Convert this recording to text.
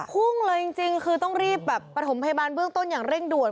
พุ่งเลยจริงคือต้องรีบแบบประถมพยาบาลเบื้องต้นอย่างเร่งด่วน